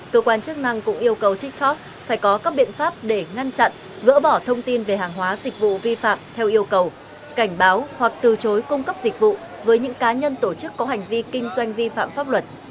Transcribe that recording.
cơ quan chức năng cũng yêu cầu tiktok phải có các biện pháp để ngăn chặn gỡ bỏ thông tin về hàng hóa dịch vụ vi phạm theo yêu cầu cảnh báo hoặc từ chối cung cấp dịch vụ với những cá nhân tổ chức có hành vi kinh doanh vi phạm pháp luật